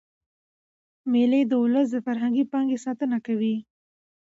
مېلې د اولس د فرهنګي پانګي ساتنه کوي.